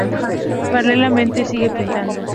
Paralelamente sigue pintando.